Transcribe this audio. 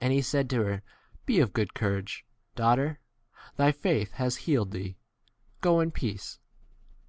And he said to her, Be of good courage, daugh ter ; thy faith has healed thee : 49 go in peace.